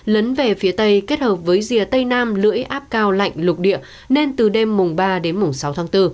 lấn về phía tây kết hợp với rìa tây nam lưỡi áp cao lạnh lục địa nên từ đêm mùng ba đến mùng sáu tháng bốn